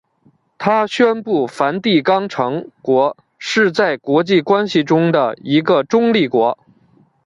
它宣布梵蒂冈城国是在国际关系的一个中立国。